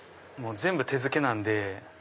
全部手付けなんで。